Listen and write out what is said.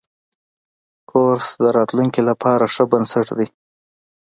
کورس د راتلونکي لپاره ښه بنسټ دی.